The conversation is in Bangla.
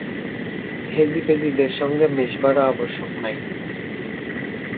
হেঁজিপেঁজিদের সঙ্গে মেশবারও আবশ্যক নাই।